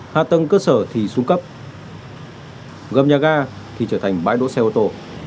hạ tầng cơ sở thì xuống cấp gồm nhà ga thì trở thành bãi đỗ xe ô tô